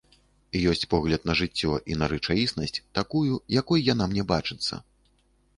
Ёсць погляд на жыццё і рэчаіснасць такую, якой яна мне бачыцца.